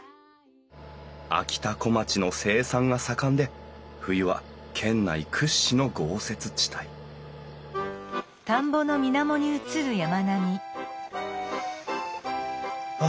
あきたこまちの生産が盛んで冬は県内屈指の豪雪地帯あ